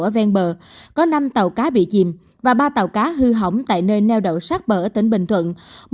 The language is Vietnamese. có ven bờ có năm tàu cá bị chìm và ba tàu cá hư hỏng tại nơi nêu đầu sát bờ ở tỉnh bình thuận